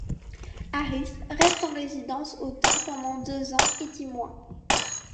Harris reste en résidence au temple pendant deux ans et dix mois.